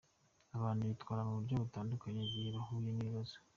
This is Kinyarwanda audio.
Abantu bitwara mu buryo butandukanye igihe bahuye n’ibibazo.